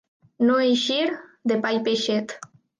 No eixir de pa i peixet.